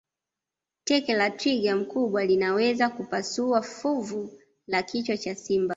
teke la twiga mkubwa linaweza kupasua fuvu la kichwa cha simba